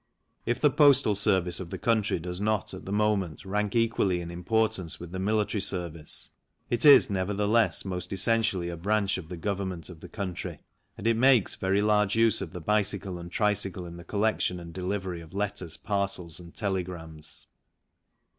If the Postal Service of the country does not, at the moment, rank equally in importance with the Military Service, it is nevertheless most essentially a branch of the Government of the country, and it makes very large use of the bicycle and the tricycle in the collection and delivery of letters, parcels, and telegrams.